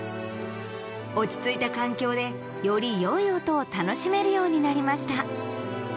落ち着いた環境でよりよい音を楽しめるようになりました。